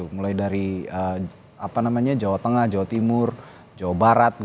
mulai dari jawa tengah jawa timur jawa barat